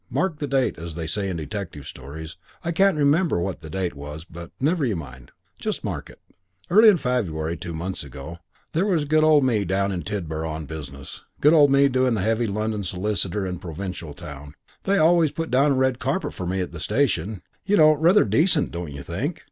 Mark the date, as they say in the detective stories. I can't remember what the date was, but never you mind. You just mark it. Early in February, two months ago. There was good old me down in Tidborough on business good old me doing the heavy London solicitor in a provincial town they always put down a red carpet for me at the station, you know; rather decent, don't you think?